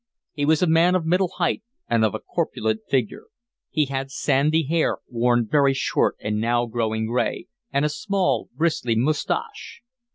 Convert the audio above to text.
He was a man of middle height and of a corpulent figure; he had sandy hair, worn very short and now growing gray, and a small bristly moustache.